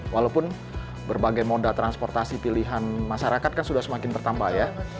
walaupun berbagai moda transportasi pilihan masyarakat kan sudah semakin bertambah ya